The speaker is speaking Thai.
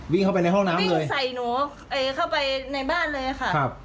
วิ่งเข้าไปในห้องน้ำวิ่งใส่หนูเข้าไปในบ้านเลยค่ะครับ